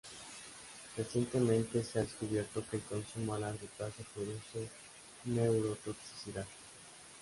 Recientemente se ha descubierto que el consumo a largo plazo produce neurotoxicidad.